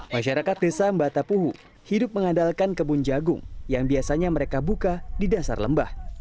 masyarakat desa mbatapuhu hidup mengandalkan kebun jagung yang biasanya mereka buka di dasar lembah